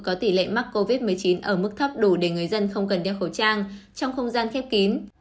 có tỷ lệ mắc covid một mươi chín ở mức thấp đủ để người dân không cần đeo khẩu trang trong không gian khép kín